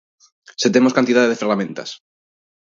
¡Se temos cantidade de ferramentas!